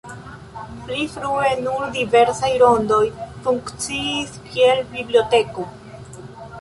Pli frue nur diversaj rondoj funkciis, kiel biblioteko.